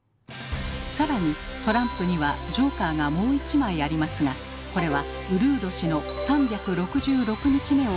さらにトランプにはジョーカーがもう１枚ありますがこれはうるう年の３６６日目を意味するというのです。